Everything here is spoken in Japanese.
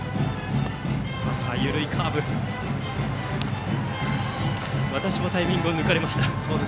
緩いカーブでしたが私もタイミングを抜かれました。